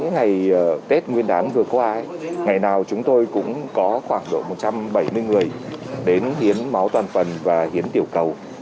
ngày tết nguyên đán vừa qua ngày nào chúng tôi cũng có khoảng độ một trăm bảy mươi người đến hiến máu toàn phần và hiến tiểu cầu